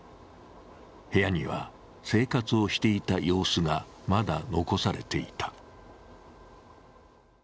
部屋には、生活をしていた様子がまだ残されていた。